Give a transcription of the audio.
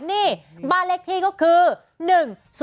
นี่บ้านเลขที่ก็คือ๑๐๙๑๕๘